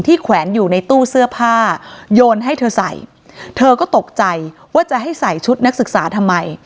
แขวนอยู่ในตู้เสื้อผ้าโยนให้เธอใส่เธอก็ตกใจว่าจะให้ใส่ชุดนักศึกษาทำไม